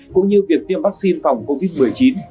cũng như việc tiêm vắc xin phòng covid một mươi chín